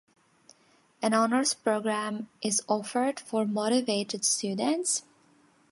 An honors program is offered for motivated students.